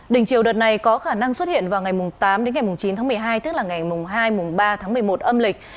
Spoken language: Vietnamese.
đỉnh chiều đợt này có khả năng xuất hiện vào ngày tám chín tháng một mươi hai tức là ngày hai ba tháng một mươi một âm lịch